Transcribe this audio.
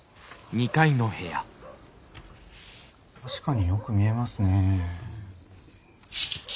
確かによく見えますね。